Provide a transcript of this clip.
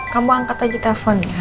kamu angkat aja teleponnya